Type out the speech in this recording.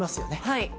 はい。